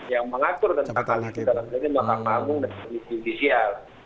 yang mengatur tentang hal ini dalam hal ini maka pak agung dan komisi fisial